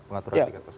pengaturan tiga pesawat